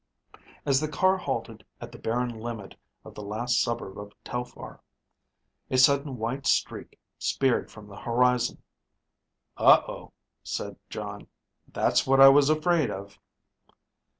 As the car halted at the barren limit of the last suburb of Telphar, a sudden white streak speared from the horizon. "Uh oh," said Jon. "That's what I was afraid of."